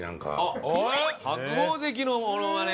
白鵬関のモノマネ！